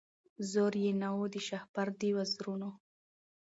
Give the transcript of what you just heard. زور یې نه وو د شهپر د وزرونو